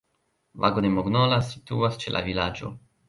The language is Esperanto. Lago de Mognola situas ĉe la vilaĝo.